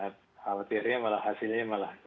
khawatirnya malah hasilnya malah